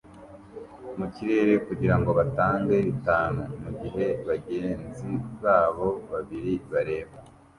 mu kirere kugirango batange-bitanu mu gihe bagenzi babo babiri bareba